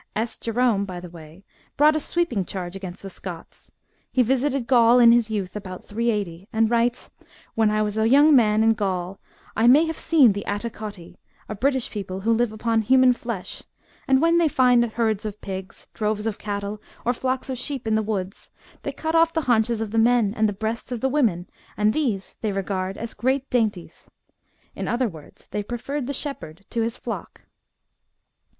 S. Jerome, by the way, brought a sweeping charge against the Scots. He visited Gaul in his youth, about 380, and he writes :—" When I was a young man in Gaul, I may have seen the Attacotti, a British people who live upon human flesh ; and when they find herds * Wyntoun's Chronicle f ii. 236. FOLK LORE RELATING TO WERE WOLVES. 106 of pigs, droyes of cattle, or flocks of sheep in the woods, they cut off the haunches of the men and the hreasts of the women, and these they regard as great dainties ;" in other words they prefer the shepherd to his flock.